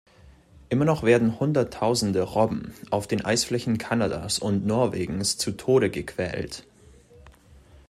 Immer noch werden Hunderttausende Robben auf den Eisflächen Kanadas und Norwegens zu Tode gequält.